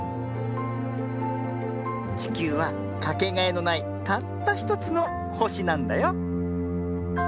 ちきゅうはかけがえのないたったひとつのほしなんだよ。